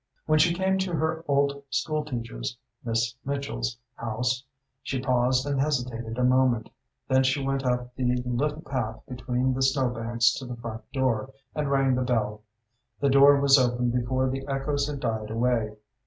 When she came to her old school teacher's Miss Mitchell's house, she paused and hesitated a moment, then she went up the little path between the snow banks to the front door, and rang the bell. The door was opened before the echoes had died away.